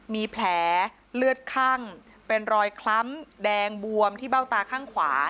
มีแผลเลือดคั่งเป็นรอยคล้ำแดงบวมที่เบ้าตาข้างขวา